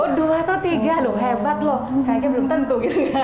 oh dua atau tiga loh hebat loh saya belum tentu gitu ya